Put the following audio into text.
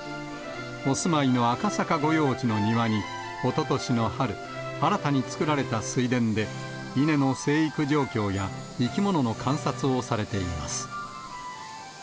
お住まいの赤坂御用地の庭に、おととしの春、新たに作られた水田で、稲の生育状況や、生き物の観察をされています。